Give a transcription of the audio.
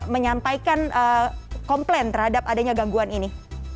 menyampaikan komplain terhadap adanya gangguan ini